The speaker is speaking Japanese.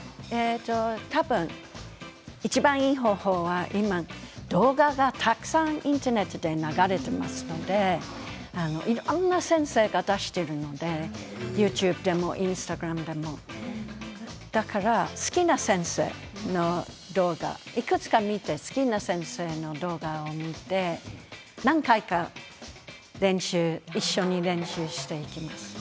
多分いちばんいい方法は今、動画がたくさんインターネットで流れていますのでＹｏｕＴｕｂｅでもインスタグラムでも好きな先生の動画、いくつか見て好きな先生の動画を見て何回か一緒に練習していきます。